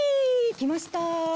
きました。